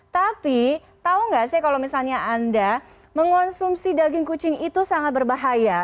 tapi tahu nggak sih kalau misalnya anda mengonsumsi daging kucing itu sangat berbahaya